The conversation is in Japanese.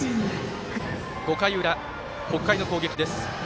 ５回の裏、北海の攻撃です。